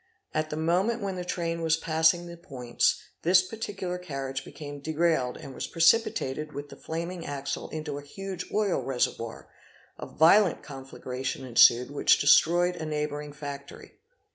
At the moment when the train was passing the points, this particular carriage became derailed and was precipitated with the flaming axle into — a huge oil reservoir: a violent conflagration ensued which destroyed a neighbouring factory.